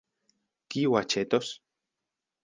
Kiu aĉetos?